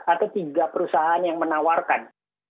atau tiga perusahaan yang menawarkan